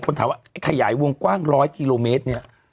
คนถามว่าขยายวงกว้าง๑๐๐กิโลเมตรเนี่ย